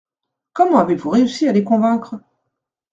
Comment avez-vous réussi à les convaincre ?